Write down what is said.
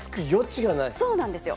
そうなんですよ！